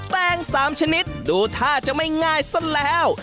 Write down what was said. แต้งสามชนิดดูท่าจะไม่ง่ายสักแล้ว